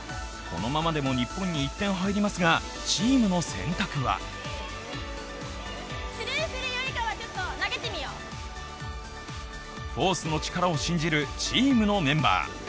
このままでも日本に１点入りますがチームの選択はフォースの力を信じるチームのメンバー。